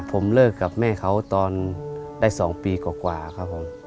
ผมเลิกกับแม่เขาตอนได้๒ปีกว่าครับผม